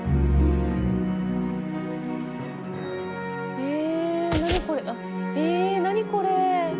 え何これ？